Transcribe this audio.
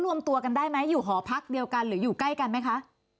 รวมตัวกันได้ไหมอยู่หอพักเดียวกันหรืออยู่ใกล้กันไหมคะ